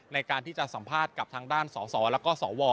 ในการที่จะสัมภาษณ์กับทางด้านสสแล้วก็สว